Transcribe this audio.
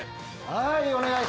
はい。